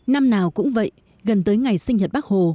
năm nào cũng vậy gần tới ngày sinh nhật bác hồ